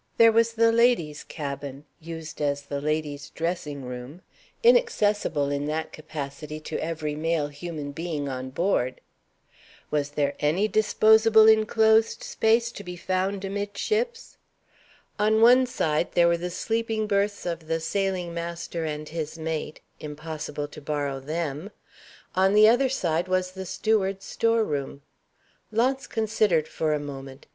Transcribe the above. There was the ladies' cabin (used as the ladies' dressing room; inaccessible, in that capacity, to every male human being on board). Was there any disposable inclosed space to be found amidships? On one side there were the sleeping berths of the sailing master and his mate (impossible to borrow them). On the other side was the steward's store room. Launce considered for a moment.